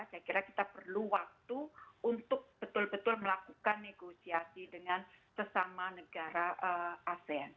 saya kira kita perlu waktu untuk betul betul melakukan negosiasi dengan sesama negara asean